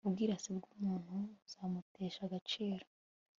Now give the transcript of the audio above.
ubwirasi bw'umuntu buzamutesha agaciro